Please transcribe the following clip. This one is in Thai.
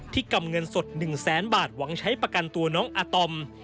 กำเงินสด๑แสนบาทหวังใช้ประกันตัวน้องอาตอม